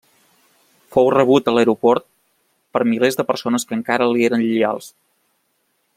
Fou rebut a l'aeroport per milers de persones que encara li eren lleials.